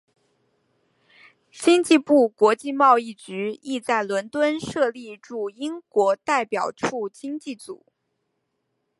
经济部国际贸易局亦在伦敦设立驻英国代表处经济组。